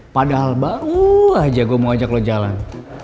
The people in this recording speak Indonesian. padahal baru aja gue mau ajak lo jalan